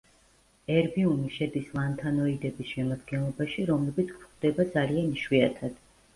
ერბიუმი შედის ლანთანოიდების შემადგენლობაში, რომლებიც გვხვდება ძალიან იშვიათად.